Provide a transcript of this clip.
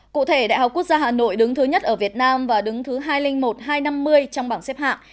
cụ thể đại học quốc gia hà nội đứng thứ nhất ở việt nam và đứng thứ hai trăm linh một hai trăm năm mươi trong bảng xếp hạng